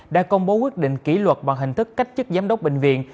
đã công bố quyết định kỷ luật bằng hình thức cách chức giám đốc bệnh viện